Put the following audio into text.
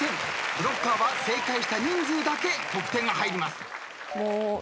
ブロッカーは正解した人数だけ得点が入ります。